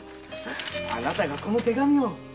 あなたがこの手紙を。